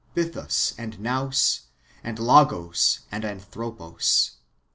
Bythus, and Nous, and Logos, and Anthropos.